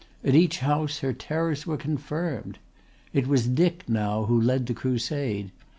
At each house her terrors were confirmed. It was Dick now who led the crusade.